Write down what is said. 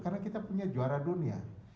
karena kita punya juara dunia